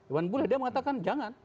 iwan bule dia mengatakan jangan